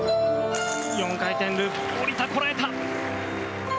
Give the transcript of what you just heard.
４回転ループ下りた、こらえた。